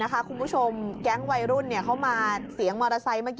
ทุ่มวัยรุ่นเข้ามาเสียงมอเตอร์ไซค์